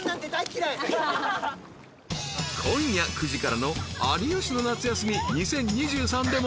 ［今夜９時からの『有吉の夏休み２０２３』でも］